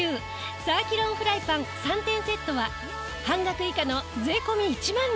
サーキュロンフライパン３点セットは半額以下の税込１万２８００円。